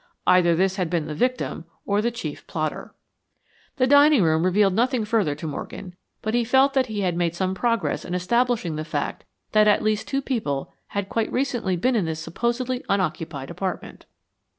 Either this had been the victim or the chief plotter. The dining room revealed nothing further to Morgan, but he felt that he had made some progress in establishing the fact that at least two people had quite recently been in this supposedly unoccupied apartment.